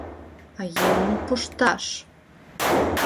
А еҥым пушташ...